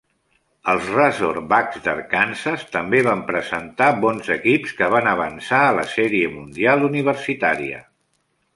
Els Razorbacks d'Arkansas també van presentar bons equips que van avançar a la Sèrie Mundial Universitària.